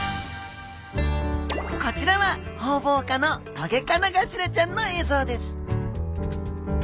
こちらはホウボウ科のトゲカナガシラちゃんの映像です